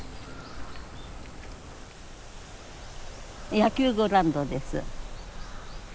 野球グラウンドです。